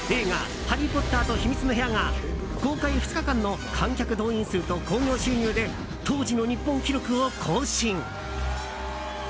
「ハリー・ポッターと秘密の部屋」が公開２日間の観客動員数と興行収入で当時の日本記録を更新。